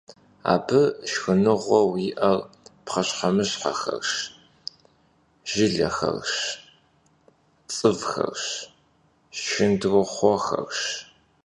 Abı şşxınıgueu yi'er pxheşhemışhexerş, jjılexerş, ts'ıvxerş, şşındırxhuoxerş.